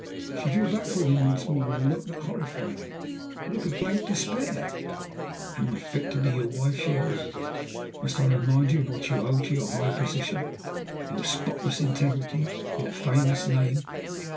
She drew back from him once more with a look that horrified him a look of blank despair. "Am I fit to be your wife?" she asked. "Must I remind you of what you owe to your high position, your spotless integrity, your famous name?